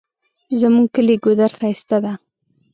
زمونږ کلی ګودر ښایسته ده